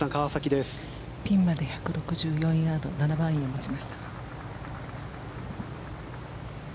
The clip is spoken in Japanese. ピンまで１６４ヤード７番アイアンを持ちました。